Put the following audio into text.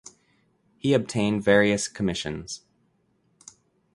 He obtained various commissions.